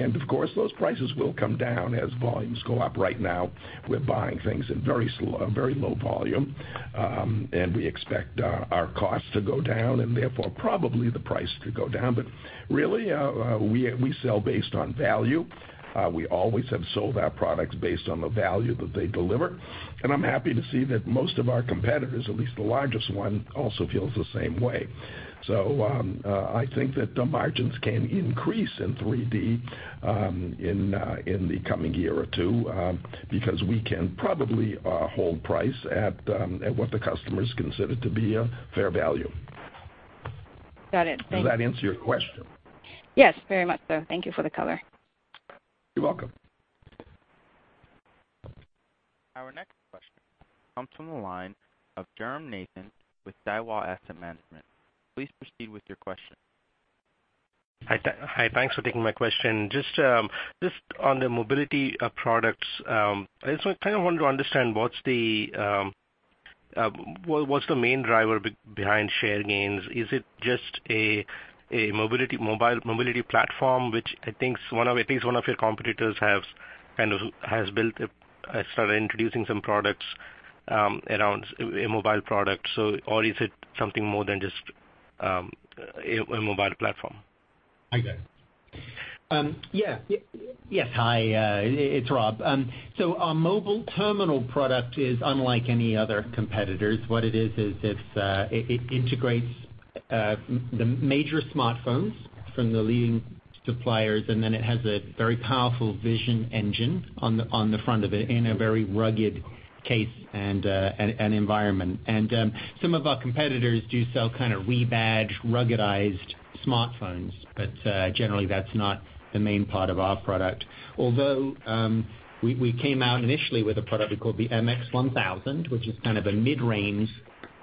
Speaker 3: Of course, those prices will come down as volumes go up. Right now, we're buying things in very low volume, we expect our costs to go down and therefore probably the price to go down. Really, we sell based on value. We always have sold our products based on the value that they deliver, and I'm happy to see that most of our competitors, at least the largest one, also feels the same way. I think that the margins can increase in 3D in the coming year or two, because we can probably hold price at what the customers consider to be a fair value.
Speaker 9: Got it. Thank you.
Speaker 3: Does that answer your question?
Speaker 9: Yes, very much so. Thank you for the color.
Speaker 3: You're welcome.
Speaker 1: Our next question comes from the line of Jairam Nathan with Daiwa Capital Markets America. Please proceed with your question.
Speaker 10: Hi. Thanks for taking my question. Just on the mobility of products, I kind of wanted to understand what's the main driver behind share gains. Is it just a mobility platform, which I think one of your competitors has built, started introducing some products around a mobile product, or is it something more than just a mobile platform?
Speaker 4: Hi, Jairam. Yes. Hi, it's Rob. Our mobile terminal product is unlike any other competitors'. What it is, it integrates the major smartphones from the leading suppliers, and then it has a very powerful vision engine on the front of it in a very rugged case and environment. Some of our competitors do sell kind of rebadged, ruggedized smartphones. Generally, that's not the main part of our product. Although, we came out initially with a product called the MX-1000, which is kind of a mid-range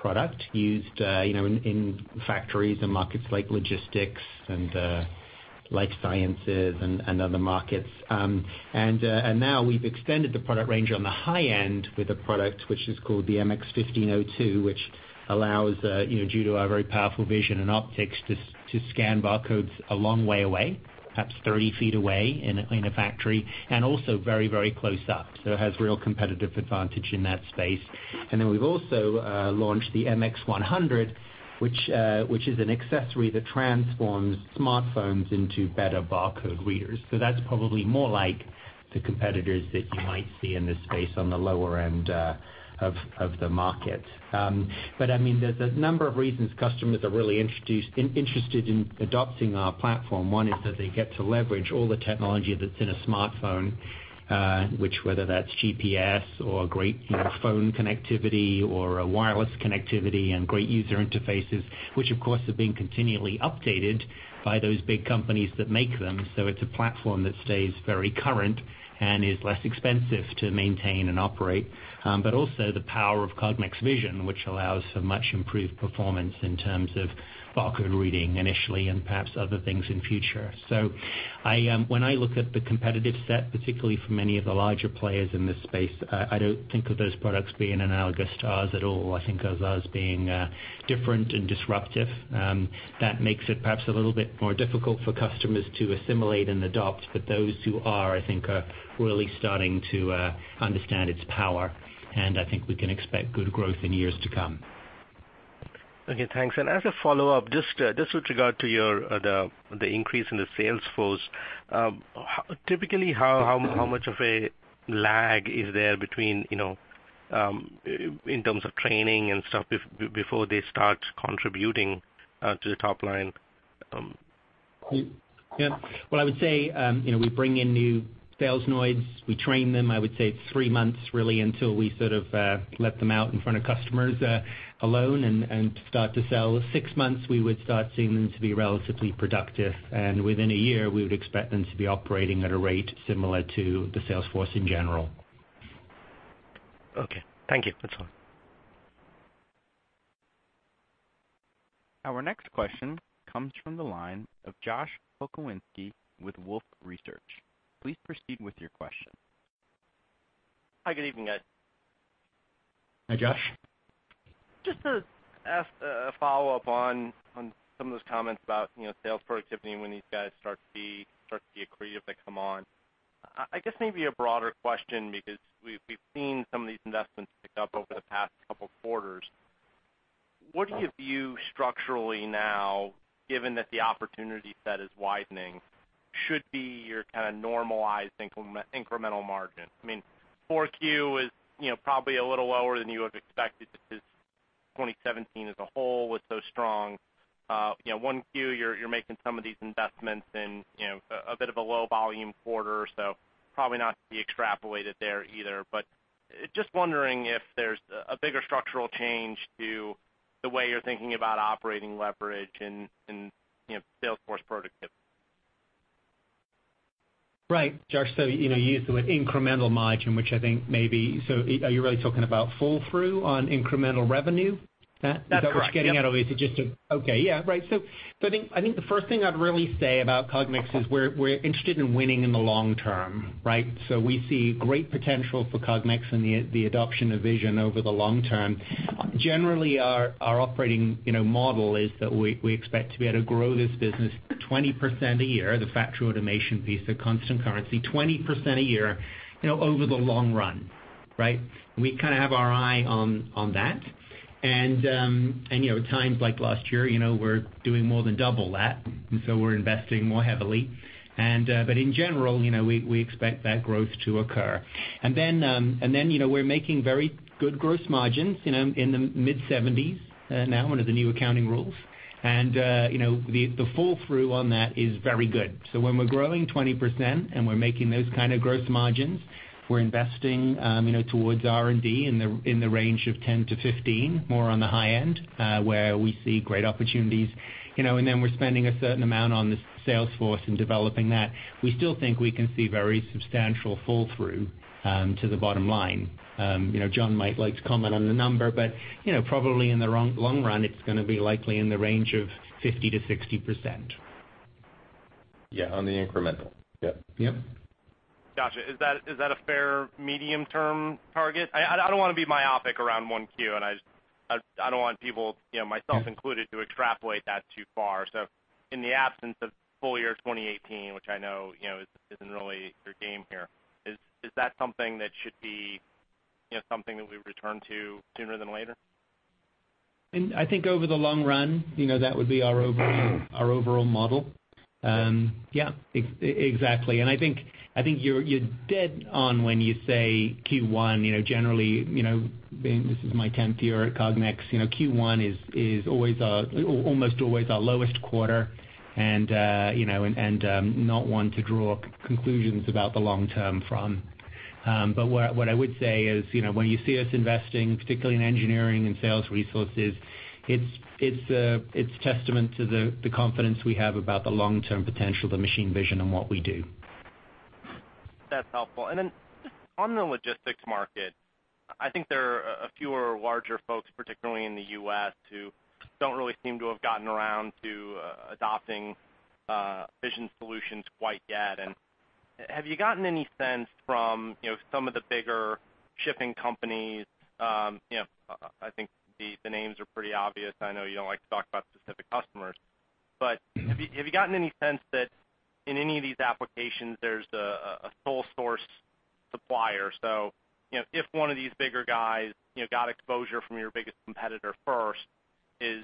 Speaker 4: product used in factories and markets like logistics and life sciences and other markets. Now we've extended the product range on the high end with a product which is called the MX-1502, which allows, due to our very powerful vision and optics, to scan barcodes a long way away, perhaps 30 feet away in a factory, and also very close up. It has real competitive advantage in that space. We've also launched the MX-100, which is an accessory that transforms smartphones into better barcode readers. That's probably more like the competitors that you might see in this space on the lower end of the market. There's a number of reasons customers are really interested in adopting our platform. One is that they get to leverage all the technology that's in a smartphone, whether that's GPS or great phone connectivity or wireless connectivity and great user interfaces, which of course, are being continually updated by those big companies that make them. It's a platform that stays very current and is less expensive to maintain and operate. Also the power of Cognex vision, which allows for much improved performance in terms of barcode reading initially and perhaps other things in future. When I look at the competitive set, particularly for many of the larger players in this space, I don't think of those products being analogous to ours at all. I think of ours being different and disruptive. That makes it perhaps a little bit more difficult for customers to assimilate and adopt, but those who are, I think, are really starting to understand its power, and I think we can expect good growth in years to come.
Speaker 10: Okay, thanks. As a follow-up, just with regard to the increase in the sales force, typically, how much of a lag is there in terms of training and stuff before they start contributing to the top line?
Speaker 4: Yeah. What I would say, we bring in new Salesnoids, we train them. I would say it's three months, really, until we sort of let them out in front of customers alone and start to sell. Six months, we would start seeing them to be relatively productive, and within a year, we would expect them to be operating at a rate similar to the sales force in general.
Speaker 10: Okay. Thank you. That's all.
Speaker 1: Our next question comes from the line of Josh Pokrzywinski with Wolfe Research. Please proceed with your question.
Speaker 11: Hi, good evening, guys.
Speaker 4: Hi, Josh.
Speaker 11: Just to ask a follow-up on some of those comments about sales productivity and when these guys start to be accretive, they come on. I guess maybe a broader question, because we've seen some of these investments pick up over the past couple of quarters. What do you view structurally now, given that the opportunity set is widening, should be your kind of normalized incremental margin? 4Q is probably a little lower than you would have expected, because 2017 as a whole was so strong. 1Q, you're making some of these investments in a bit of a low volume quarter, so probably not to be extrapolated there either. Just wondering if there's a bigger structural change to the way you're thinking about operating leverage and sales force productivity.
Speaker 4: Right. Josh, you used the word incremental margin, which I think are you really talking about flow-through on incremental revenue? Is that correct?
Speaker 11: That's correct. Yep.
Speaker 4: what we're getting at? Okay. Yeah. I think the first thing I'd really say about Cognex is we're interested in winning in the long term, right? We see great potential for Cognex and the adoption of vision over the long term. Generally, our operating model is that we expect to be able to grow this business 20% a year, the factory automation piece, the constant currency, 20% a year, over the long run. Right? We kind of have our eye on that. At times like last year, we're doing more than double that, we're investing more heavily. In general, we expect that growth to occur. We're making very good gross margins, in the mid-70s now, under the new accounting rules. The fall through on that is very good. When we're growing 20% and we're making those kind of gross margins, we're investing towards R&D in the range of 10%-15%, more on the high end, where we see great opportunities. We're spending a certain amount on the sales force and developing that. We still think we can see very substantial fall through to the bottom line. John might like to comment on the number, but probably in the long run, it's going to be likely in the range of 50%-60%.
Speaker 2: Yeah, on the incremental. Yep.
Speaker 4: Yep.
Speaker 11: Got you. Is that a fair medium-term target? I don't want to be myopic around 1Q, and I don't want people, myself included, to extrapolate that too far. In the absence of full year 2018, which I know isn't really your game here, is that something that should be something that we return to sooner than later?
Speaker 4: I think over the long run, that would be our overall model. Yeah. Exactly. I think you're dead on when you say Q1. Generally, this is my 10th year at Cognex, Q1 is almost always our lowest quarter, not one to draw conclusions about the long term from. What I would say is, when you see us investing, particularly in engineering and sales resources, it's testament to the confidence we have about the long-term potential of the machine vision and what we do.
Speaker 11: That's helpful. Just on the logistics market, I think there are a few larger folks, particularly in the U.S., who don't really seem to have gotten around to adopting vision solutions quite yet. Have you gotten any sense from some of the bigger shipping companies, I think the names are pretty obvious. I know you don't like to talk about specific customers, but have you gotten any sense that in any of these applications, there's a sole source supplier? If one of these bigger guys got exposure from your biggest competitor first, is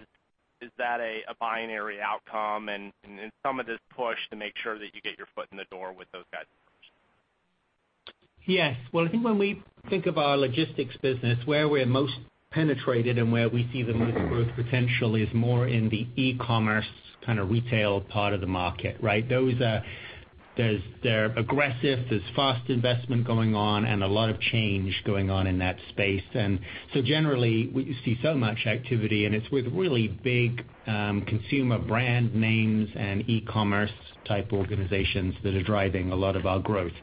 Speaker 11: that a binary outcome and some of this push to make sure that you get your foot in the door with those guys?
Speaker 4: Yes. Well, I think when we think of our logistics business, where we're most penetrated and where we see the most growth potential is more in the e-commerce kind of retail part of the market, right? They're aggressive, there's fast investment going on and a lot of change going on in that space. Generally, we see so much activity, and it's with really big consumer brand names and e-commerce type organizations that are driving a lot of our growth.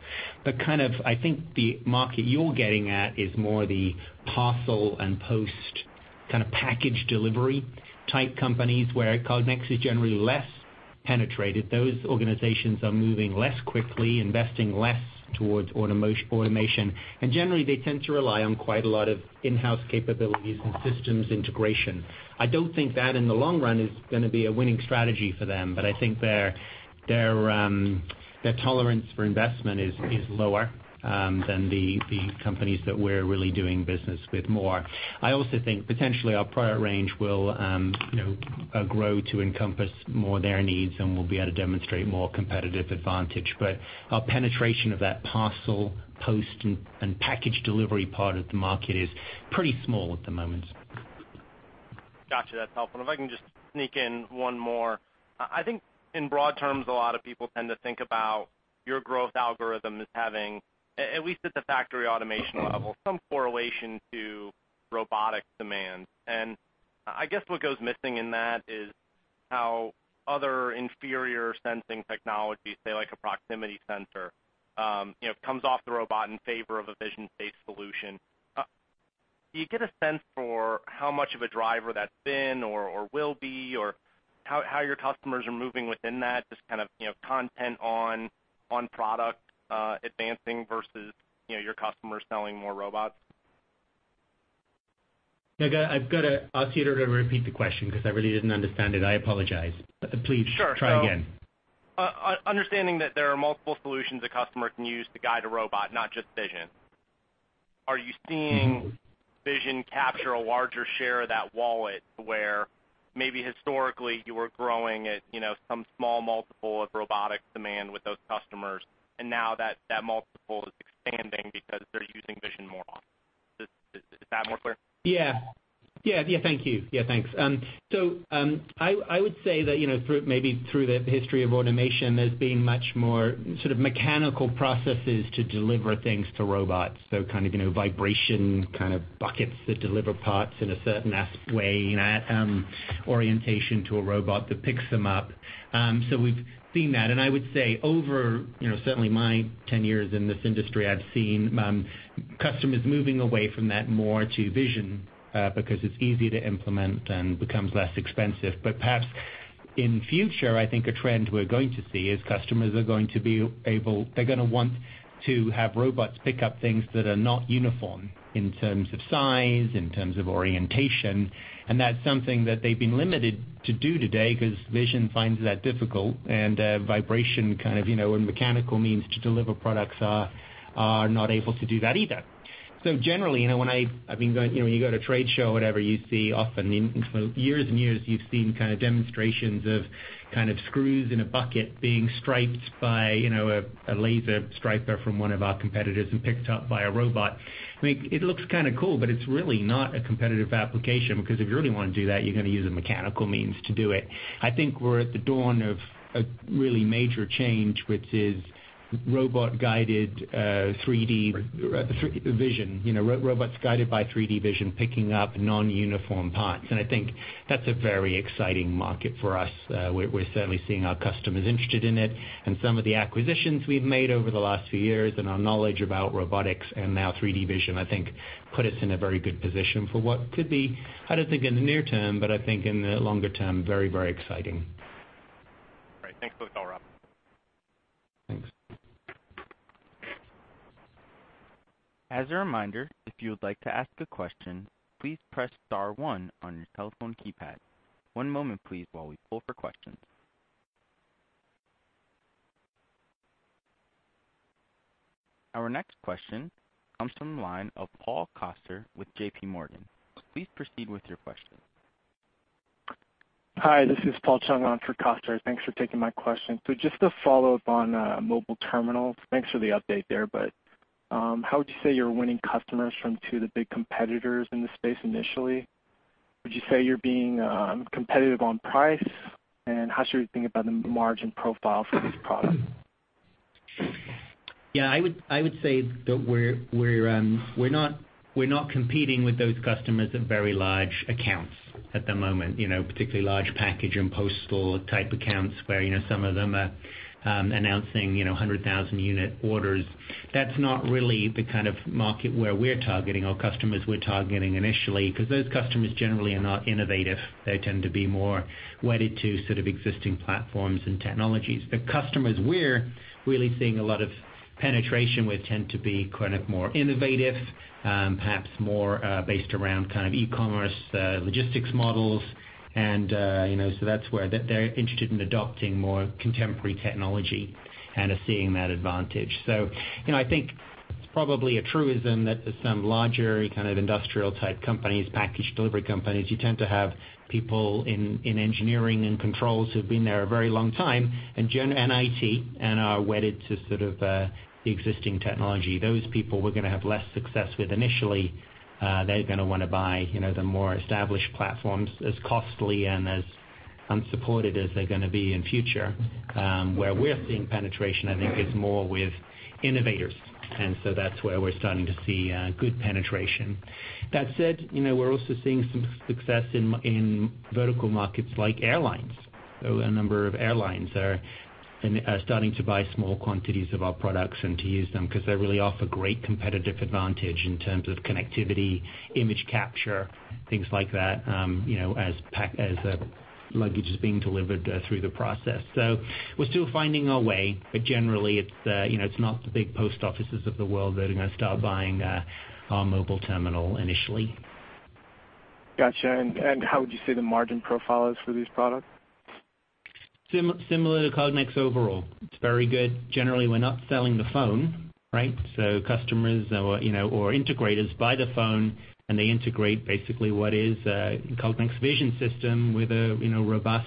Speaker 4: I think the market you're getting at is more the parcel and post kind of package delivery type companies, where Cognex is generally less penetrated. Those organizations are moving less quickly, investing less towards automation, and generally, they tend to rely on quite a lot of in-house capabilities and systems integration. I don't think that in the long run is going to be a winning strategy for them, I think their tolerance for investment is lower than the companies that we're really doing business with more. I also think potentially our product range will grow to encompass more their needs, and we'll be able to demonstrate more competitive advantage. Our penetration of that parcel, post, and package delivery part of the market is pretty small at the moment.
Speaker 11: Got you. That's helpful. If I can just sneak in one more. I think in broad terms, a lot of people tend to think about your growth algorithm as having, at least at the factory automation level, some correlation to robotic demands. I guess what goes missing in that is how other inferior sensing technologies, say like a proximity sensor, comes off the robot in favor of a vision-based solution. Do you get a sense for how much of a driver that's been or will be, or how your customers are moving within that? Just kind of content on product advancing versus your customers selling more robots.
Speaker 4: Yeah. I've got to ask you to repeat the question because I really didn't understand it. I apologize. Please try again.
Speaker 11: Sure. Understanding that there are multiple solutions a customer can use to guide a robot, not just vision, are you seeing vision capture a larger share of that wallet where maybe historically you were growing at some small multiple of robotic demand with those customers, and now that multiple is expanding because they're using vision more? Is that more clear?
Speaker 4: Yeah. Thank you. I would say that maybe through the history of automation, there's been much more sort of mechanical processes to deliver things to robots. Kind of vibration, kind of buckets that deliver parts in a certain way, orientation to a robot that picks them up. We've seen that. I would say over certainly my 10 years in this industry, I've seen customers moving away from that more to vision, because it's easy to implement and becomes less expensive. Perhaps in future, I think a trend we're going to see is customers are going to want to have robots pick up things that are not uniform in terms of size, in terms of orientation, and that's something that they've been limited to do today because vision finds that difficult and vibration kind of, and mechanical means to deliver products are not able to do that either. Generally, when you go to a trade show or whatever, you see often, for years and years, you've seen kind of demonstrations of kind of screws in a bucket being striped by a laser striper from one of our competitors and picked up by a robot. I mean, it looks kind of cool, it's really not a competitive application because if you really want to do that, you're going to use a mechanical means to do it. I think we're at the dawn of a really major change, which is robot-guided 3D vision. Robots guided by 3D vision, picking up non-uniform parts. I think that's a very exciting market for us. We're certainly seeing our customers interested in it and some of the acquisitions we've made over the last few years and our knowledge about robotics and now 3D vision, I think put us in a very good position for what could be, I don't think in the near term, but I think in the longer term, very exciting.
Speaker 11: Great. Thanks for the call, Rob.
Speaker 4: Thanks.
Speaker 1: As a reminder, if you would like to ask a question, please press star one on your telephone keypad. One moment, please, while we pull for questions. Our next question comes from the line of Paul Coster with JPMorgan. Please proceed with your question.
Speaker 12: Hi, this is Paul Chung for Coster. Thanks for taking my question. Just a follow-up on mobile terminals. Thanks for the update there, how would you say you're winning customers from two of the big competitors in the space initially? Would you say you're being competitive on price? How should we think about the margin profile for this product?
Speaker 4: Yeah, I would say that we're not competing with those customers of very large accounts at the moment, particularly large package and postal type accounts where some of them are announcing 100,000 unit orders. That's not really the kind of market where we're targeting or customers we're targeting initially, because those customers generally are not innovative. They tend to be more wedded to sort of existing platforms and technologies. The customers we're really seeing a lot of penetration with tend to be kind of more innovative, perhaps more based around kind of e-commerce, logistics models, they're interested in adopting more contemporary technology and are seeing that advantage. I think it's probably a truism that some larger kind of industrial type companies, package delivery companies, you tend to have people in engineering and controls who've been there a very long time, and IT, and are wedded to sort of the existing technology. Those people we're going to have less success with initially. They're going to want to buy the more established platforms, as costly and as unsupported as they're going to be in future. Where we're seeing penetration, I think, is more with innovators, that's where we're starting to see good penetration. That said, we're also seeing some success in vertical markets like airlines. A number of airlines are starting to buy small quantities of our products and to use them because they really offer great competitive advantage in terms of connectivity, image capture, things like that, as luggage is being delivered through the process. We're still finding our way, but generally it's not the big post offices of the world that are going to start buying our mobile terminal initially.
Speaker 12: Got you. How would you say the margin profile is for these products?
Speaker 4: Similar to Cognex overall. It's very good. Generally, we're not selling the phone, right? Customers or integrators buy the phone and they integrate basically what is Cognex vision system with a robust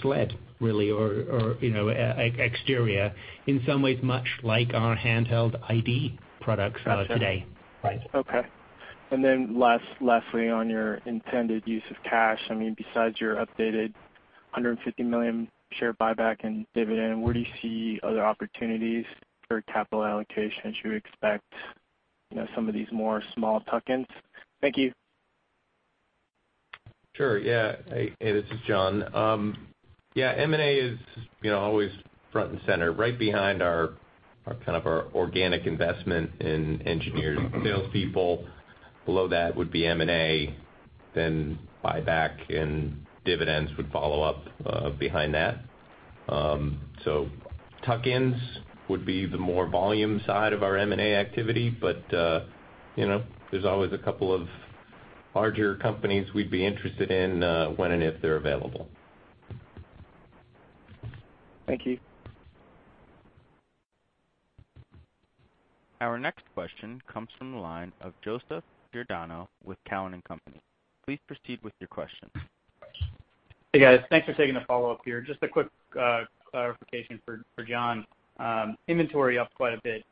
Speaker 4: sled really, or exterior, in some ways much like our handheld ID products today.
Speaker 12: Got you.
Speaker 4: Right.
Speaker 12: Okay. Lastly on your intended use of cash, besides your updated $150 million share buyback and dividend, where do you see other opportunities for capital allocation? Should we expect some of these more small tuck-ins? Thank you.
Speaker 2: Sure. Hey, this is John. M&A is always front and center, right behind our organic investment in engineers and salespeople. Below that would be M&A, buyback and dividends would follow up behind that. Tuck-ins would be the more volume side of our M&A activity, but there's always a couple of larger companies we'd be interested in when and if they're available.
Speaker 12: Thank you.
Speaker 1: Our next question comes from the line of Joseph Giordano with Cowen and Company. Please proceed with your question.
Speaker 8: Hey, guys. Thanks for taking the follow-up here. Just a quick clarification for John. Inventory up quite a bit.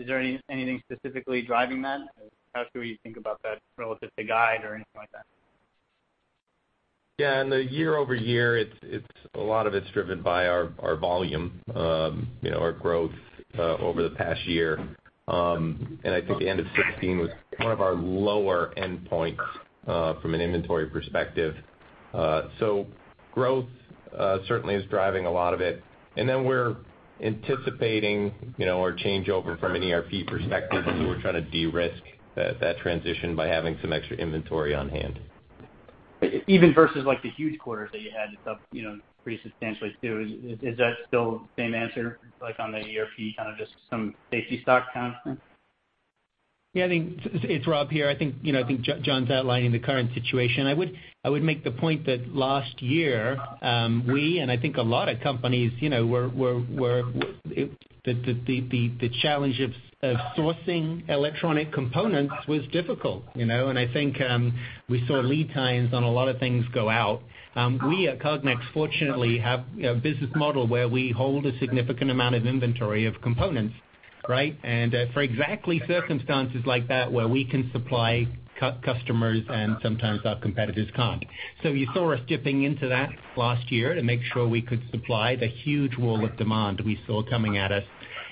Speaker 8: Is there anything specifically driving that? How should we think about that relative to guide or anything like that?
Speaker 2: Yeah, in the year-over-year, a lot of it's driven by our volume, our growth over the past year. I think the end of 2016 was one of our lower endpoints from an inventory perspective. Growth certainly is driving a lot of it. Then we're anticipating our changeover from an ERP perspective, we're trying to de-risk that transition by having some extra inventory on hand.
Speaker 8: Even versus the huge quarters that you had, it's up pretty substantially, too. Is that still the same answer on the ERP, kind of just some safety stock kind of thing?
Speaker 4: Yeah, it's Rob here. I think John's outlining the current situation. I would make the point that last year, we, I think a lot of companies, the challenge of sourcing electronic components was difficult. I think we saw lead times on a lot of things go out. We at Cognex fortunately have a business model where we hold a significant amount of inventory of components, right? For exactly circumstances like that where we can supply customers and sometimes our competitors can't. You saw us dipping into that last year to make sure we could supply the huge wall of demand we saw coming at us.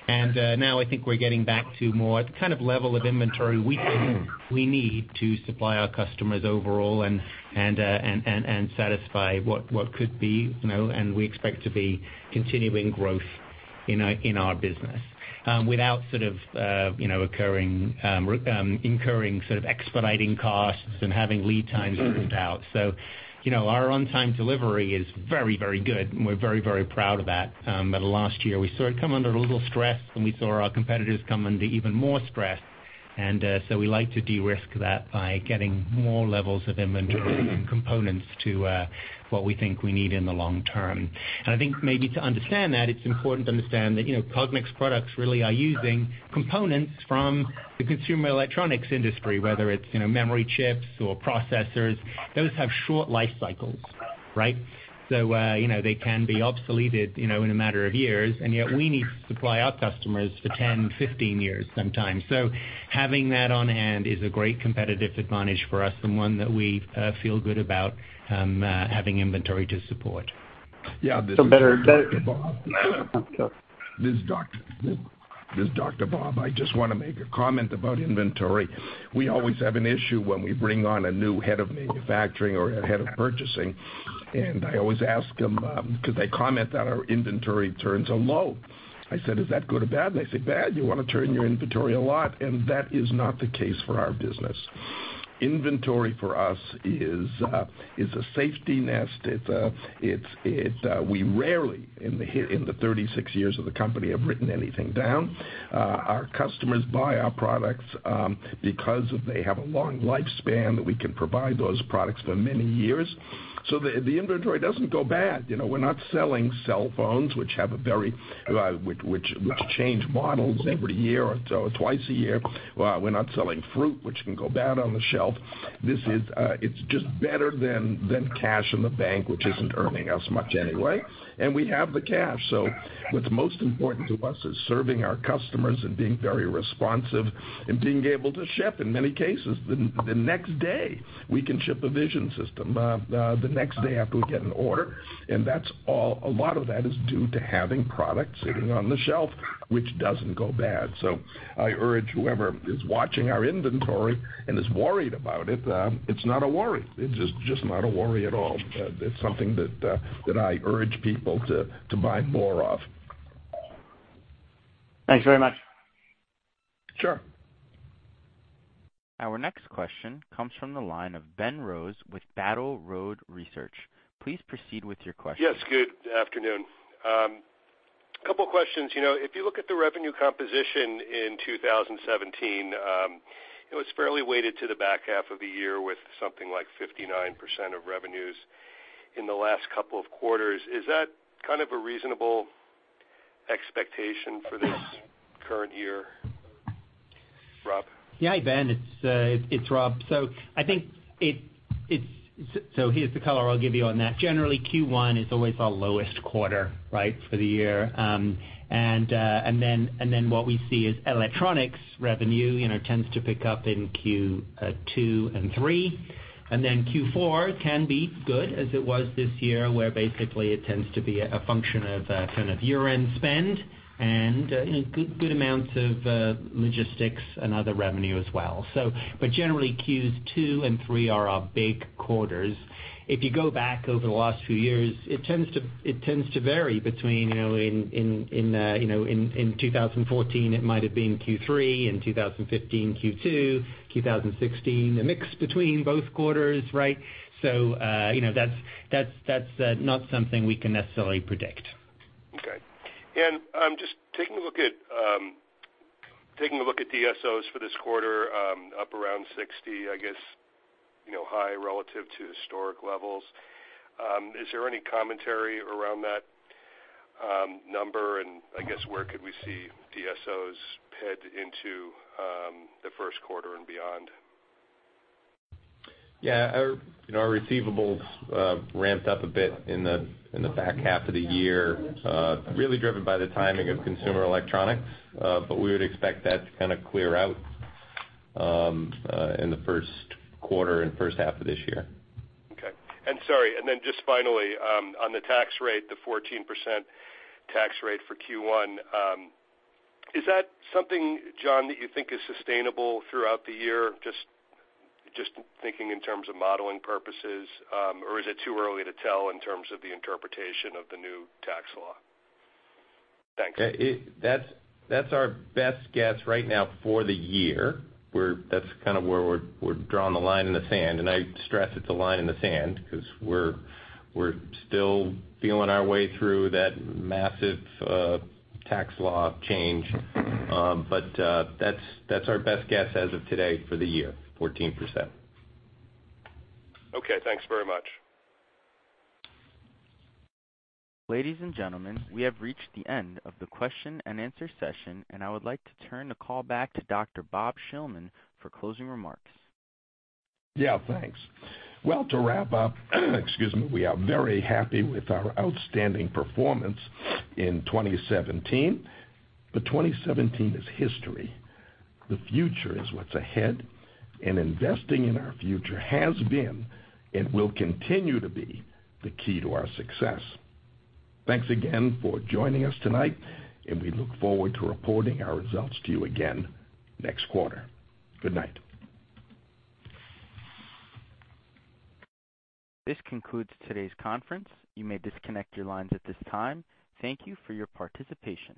Speaker 4: Now I think we're getting back to more the kind of level of inventory we need to supply our customers overall and satisfy what could be, we expect to be, continuing growth in our business without incurring sort of expediting costs and having lead times drift out. Our on-time delivery is very, very good, we're very, very proud of that. Last year, we saw it come under a little stress, we saw our competitors come under even more stress. We like to de-risk that by getting more levels of inventory and components to what we think we need in the long term. I think maybe to understand that, it's important to understand that Cognex products really are using components from the consumer electronics industry, whether it's memory chips or processors. Those have short life cycles, right? They can be obsoleted in a matter of years, and yet we need to supply our customers for 10, 15 years sometimes. Having that on hand is a great competitive advantage for us and one that we feel good about having inventory to support.
Speaker 8: So better-
Speaker 3: Yeah, this is Dr. Bob. Oh, go ahead. This is Dr. Bob. I just want to make a comment about inventory. We always have an issue when we bring on a new head of manufacturing or a head of purchasing, I always ask them, because they comment that our inventory turns are low. I said, "Is that good or bad?" They say, "Bad, you want to turn your inventory a lot." That is not the case for our business. Inventory for us is a safety nest. We rarely, in the 36 years of the company, have written anything down. Our customers buy our products, because they have a long lifespan, that we can provide those products for many years. The inventory doesn't go bad. We're not selling cell phones, which change models every year or twice a year. We're not selling fruit, which can go bad on the shelf. It's just better than cash in the bank, which isn't earning us much anyway. We have the cash. What's most important to us is serving our customers and being very responsive and being able to ship in many cases the next day. We can ship a vision system the next day after we get an order, a lot of that is due to having product sitting on the shelf, which doesn't go bad. I urge whoever is watching our inventory and is worried about it's not a worry. It's just not a worry at all. It's something that I urge people to buy more of.
Speaker 8: Thanks very much.
Speaker 3: Sure.
Speaker 1: Our next question comes from the line of Ben Rose with Battle Road Research. Please proceed with your question.
Speaker 13: Yes, good afternoon. Couple questions. If you look at the revenue composition in 2017, it was fairly weighted to the back half of the year with something like 59% of revenues in the last couple of quarters. Is that kind of a reasonable expectation for this current year? Rob?
Speaker 4: Yeah, Ben, it's Rob. Here's the color I'll give you on that. Generally, Q1 is always our lowest quarter for the year. What we see is electronics revenue tends to pick up in Q2 and Q3, Q4 can be good as it was this year, where basically it tends to be a function of kind of year-end spend and good amounts of logistics and other revenue as well. Generally, Qs 2 and 3 are our big quarters. If you go back over the last few years, it tends to vary between, in 2014, it might've been Q3, in 2015, Q2, 2016, a mix between both quarters, right? That's not something we can necessarily predict.
Speaker 13: Okay. Just taking a look at DSOs for this quarter, up around 60, I guess high relative to historic levels. Is there any commentary around that number? I guess where could we see DSOs head into the first quarter and beyond?
Speaker 2: Yeah, our receivables ramped up a bit in the back half of the year, really driven by the timing of consumer electronics. We would expect that to kind of clear out in the first quarter and first half of this year.
Speaker 13: Okay. Sorry, just finally, on the tax rate, the 14% tax rate for Q1, is that something, John, that you think is sustainable throughout the year? Just thinking in terms of modeling purposes, or is it too early to tell in terms of the interpretation of the new tax law? Thanks.
Speaker 2: That's our best guess right now for the year. That's kind of where we're drawing the line in the sand, and I stress it's a line in the sand because we're still feeling our way through that massive tax law change. That's our best guess as of today for the year, 14%.
Speaker 4: Okay, thanks very much.
Speaker 1: Ladies and gentlemen, we have reached the end of the question and answer session, and I would like to turn the call back to Dr. Bob Shillman for closing remarks.
Speaker 3: Yeah, thanks. Well, to wrap up, excuse me, we are very happy with our outstanding performance in 2017. 2017 is history. The future is what's ahead, and investing in our future has been and will continue to be the key to our success. Thanks again for joining us tonight, and we look forward to reporting our results to you again next quarter. Good night.
Speaker 1: This concludes today's conference. You may disconnect your lines at this time. Thank you for your participation.